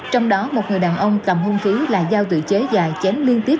trong đó một người đàn ông cầm hung khí là giao tự chế dài chém liên tiếp